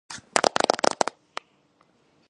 ტურნე თავისი ხანგრძლივობით მოკლე იყო.